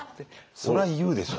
そりゃ言うでしょ。